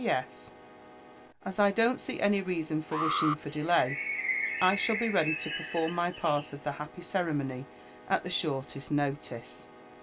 '< P.S. As I don't see any reason for wishing for delay, i shall be ready to perform my part of the happy ceremony at the shortest notice.